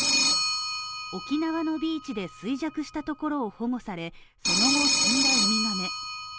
沖縄のビーチで衰弱したところを保護されその後死んだウミガメ。